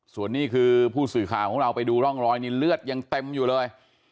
ส่วนนี้คือผู้สื่อข่าวของเราไปดูร่องรอยนี่เลือดยังเต็มอยู่เลย